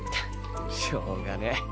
しょうがねぇ